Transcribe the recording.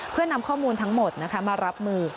เพื่อนำข้อมูลทั้งหมดมารับมือ